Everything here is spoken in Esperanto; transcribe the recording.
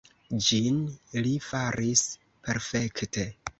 Ĝin li faris perfekte.